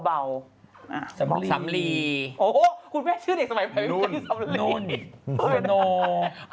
สำลีโอ้โหคุณแม่ชื่อเด็กสมัยไปไม่ใช่สำลี